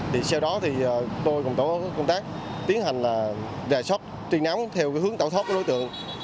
thì sau đó tôi cùng tổ công tác tiến hành rè sóc truy nắm theo hướng tạo thoát của đối tượng